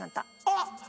あっ！